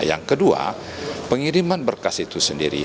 yang kedua pengiriman berkas itu sendiri